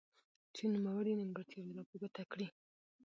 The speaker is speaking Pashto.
چې نوموړي نيمګړتياوي را په ګوته کړي.